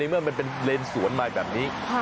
เมื่อมันเป็นเลนสวนมาแบบนี้